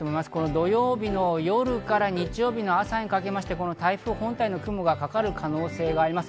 土曜日の夜から日曜日の朝にかけまして台風本体の雲がかかる可能性があります。